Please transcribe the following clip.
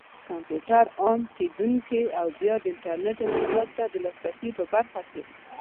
کمپيوټر عام کېدنې او بيا د انټرنټ انقلاب ته د لاسرسي په برخه کې